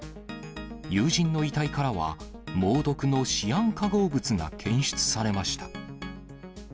友人の遺体からは、猛毒のシアン化合物が検出されました。